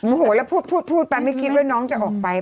โหแล้วพูดพูดไปไม่คิดว่าน้องจะออกไป